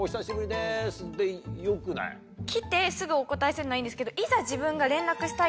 来てすぐお答えするのはいいんですけどいざ。